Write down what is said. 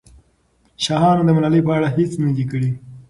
شاهانو د ملالۍ په اړه هېڅ نه دي کړي.